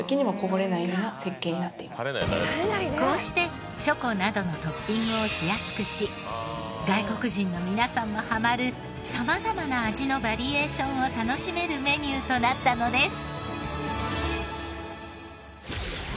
さらにこうしてチョコなどのトッピングをしやすくし外国人の皆さんもハマる様々な味のバリエーションを楽しめるメニューとなったのです。